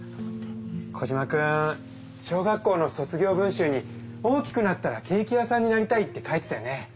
コジマくん小学校の卒業文集に「大きくなったらケーキ屋さんになりたい」って書いてたよね。